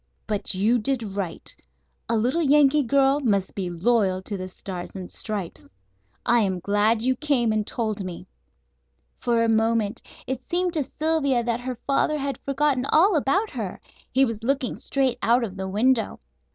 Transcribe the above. But you did right. A little Yankee girl must be loyal to the Stars and Stripes. I am glad you came and told me." For a moment it seemed to Sylvia that her father had forgotten all about her. He was looking straight out of the window.